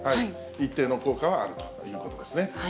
一定の効果はあるということですね。